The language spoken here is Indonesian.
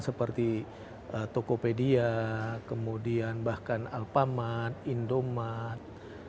seperti tokopedia kemudian bahkan alpamat indomat